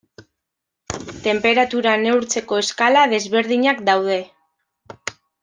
Tenperatura neurtzeko eskala desberdinak daude.